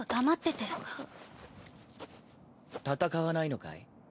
戦わないのかい？